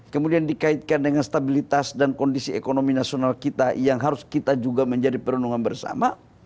kemudian dikaitkan dengan stabilitas dan kondisi ekonomi nasional kita yang harus kita juga menjadi perundungan bersama